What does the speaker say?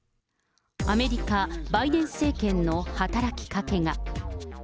アメリカ、バイデン政権の働きかけが。